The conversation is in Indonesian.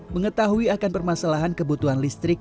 mengetahui akan permasalahan kebutuhan listrik